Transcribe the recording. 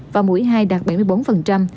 và mũi hai đạt bảy mươi bốn